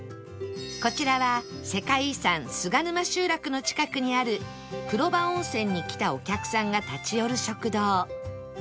こちらは世界遺産菅沼集落の近くにあるくろば温泉に来たお客さんが立ち寄る食堂